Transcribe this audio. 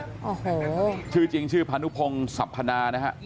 โอ้โหชื่อจริงชื่อพานุพงศ์สัพพนานะฮะ